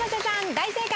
大正解。